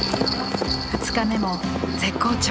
２日目も絶好調。